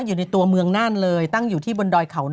อยู่ในตัวเมืองน่านเลยตั้งอยู่ที่บนดอยเขา